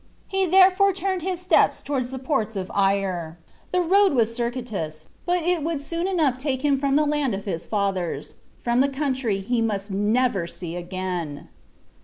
He therefore turned his steps toward the ports of Ayr. The road was circuitous; but it would soon enough take him from the land of his fathers from the country he must never see again!